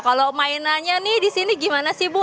kalau mainannya nih di sini gimana sih bu